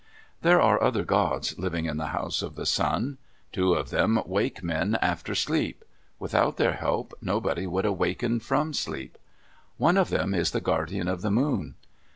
There are other gods living in the House of the Sun. Two of them wake man after sleep; without their help nobody could awaken from sleep. One of them is the guardian of the Moon.